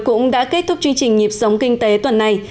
cũng đã kết thúc chương trình nhịp sống kinh tế tuần này